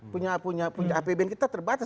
punya apbn kita terbatas